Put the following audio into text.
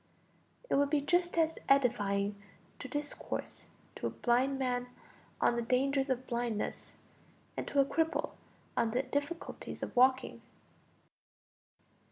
It would be just as edifying to discourse to a blind man on the dangers of blindness, and to a cripple on the difficulties of walking.